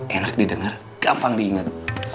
enak didengar gampang diingat